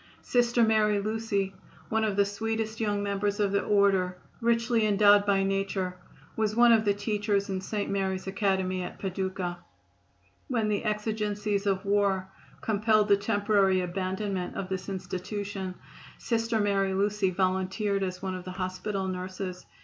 Sister Mary Lucy, one of the sweetest young members of the Order, richly endowed by nature, was one of the teachers in St. Mary's Academy, at Paducah. When the exigencies of war compelled the temporary abandonment of this institution, Sister Mary Lucy volunteered as one of the hospital nurses.